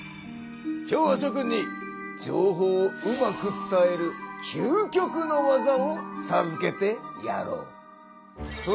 今日はしょ君に情報をうまく伝える究極の技をさずけてやろう。